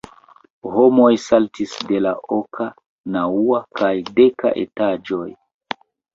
Homoj saltis de la oka, naŭa, kaj deka etaĝoj.